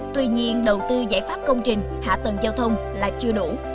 tuy nhiên đầu tư giải pháp công trình hạ tầng giao thông là chưa đủ